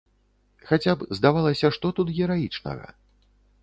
Хаця б, здавалася, што тут гераічнага?